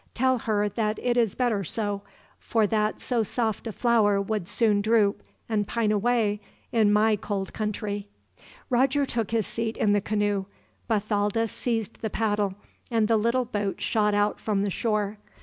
Tell her that it is better so, for that so soft a flower would soon droop, and pine away, in my cold country." Roger took his seat in the canoe, Bathalda seized the paddle, and the little boat shot out from the shore.